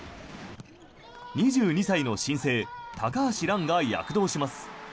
２２歳の新星、高橋藍が躍動します。